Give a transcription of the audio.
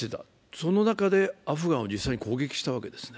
その中でアフガンを実際、攻撃していたわけですね。